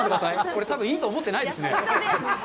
これ、多分、いいと思ってないですね。